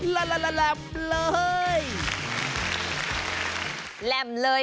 ลาราร่่ำเลย